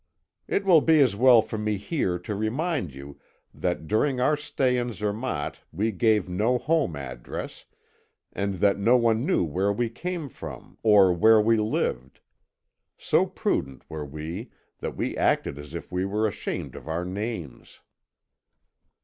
"It will be as well for me here to remind you that during our stay in Zermatt we gave no home address, and that no one knew where we came from or where we lived. So prudent were we that we acted as if we were ashamed of our names.